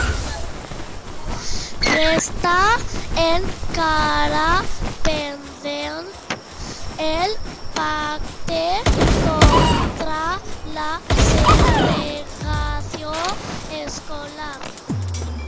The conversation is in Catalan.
Resta encara pendent el pacte contra la segregació escolar.